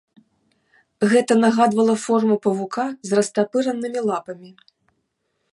Гэта нагадвала форму павука з растапыранымі лапамі.